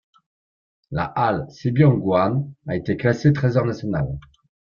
La halle Sebyeonggwan a été classée trésor national.